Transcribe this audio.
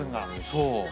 そう。